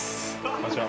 こんにちは。